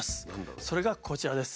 それがこちらです。